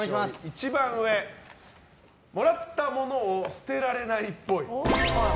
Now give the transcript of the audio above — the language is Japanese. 一番上もらった物を捨てられないっぽい。